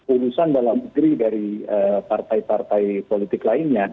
urusan dalam negeri dari partai partai politik lainnya